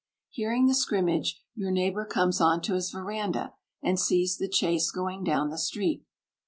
Hearing the scrimmage, your neighbour comes on to his verandah, and sees the chase going down the street.